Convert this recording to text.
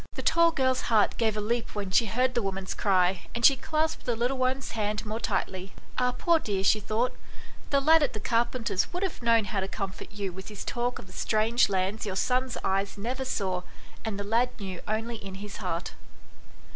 The tall girl's heart gave a leap when she heard the woman's cry, and she clasped the little one's hand more tightly. " Ah, poor dear !" she thought, " the lad at the carpenter's would have known how to com fort you with his talk of the strange lands your son's x.] THE BEAUTIFUL LADY. 95 eyes never saw, and the lad knew only in his heart."